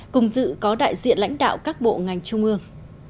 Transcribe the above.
cùng dự có đại diện lãnh đạo các bộ ngành trung ương